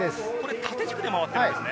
縦軸で回っていますね。